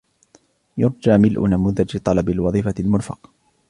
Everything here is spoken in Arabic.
يرجى ملء نموذج طلب الوظيفة المرفق.